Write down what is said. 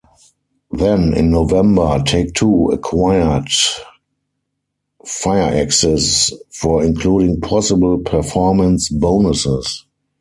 Then in November, Take-Two acquired Firaxis for including possible performance bonuses.